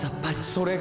それが．．．